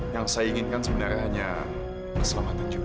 yang saya inginkan sebenarnya hanya keselamatan juga